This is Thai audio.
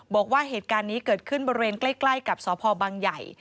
บอกว่าเหตุการณ์นี้เกิดขึ้นบริเวณใกล้กับสพบังใหญ่